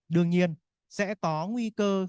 đương nhiên sẽ có nguy cơ